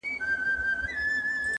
ورته ګوره چي عطا کوي سر خم کا,